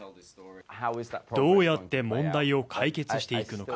どうやって問題を解決していくのか。